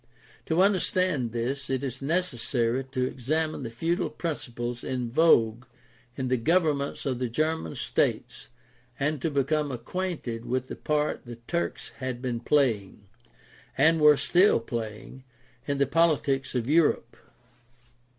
To understand this it is necessary to examine the feudal principles in vogue in the governments of the German states and to become acquainted with the part the Turks had been playing, and were still playing, in the politics of Europe.